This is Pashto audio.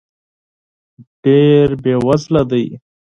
ډېر بې وزله دی .